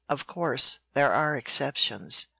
Of course, there are exceptions.